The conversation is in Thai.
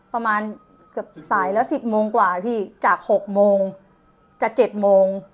ประมาณเกือบสายแล้ว๑๐โมงกว่าพี่จาก๖โมงจาก๗โมง